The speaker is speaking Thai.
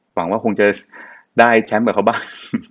หวังว่าคงจะได้แชมป์กับเขาบ้าง